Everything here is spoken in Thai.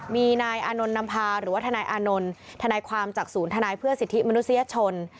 มีนายอานนท์นำพาหรือว่าทนายอานนท์ทนายความจากศูนย์ทนายเพื่อสิทธิมนุษยชน